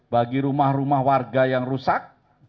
bagi rumah rumah warga yang rusak